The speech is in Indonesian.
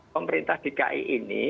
pemerintah dki ini